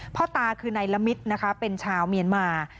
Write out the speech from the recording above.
พ่อตาคือในละมิดเป็นชาวเมียนมา